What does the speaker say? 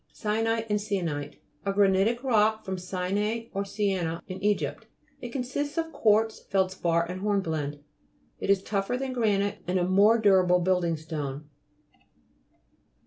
SYENITE and SIENITE A granitic rock from Syene or Siena, in Egypt. It consists of quartz, feldspar and hornblende. It is tougher than granite and a more durable building stone.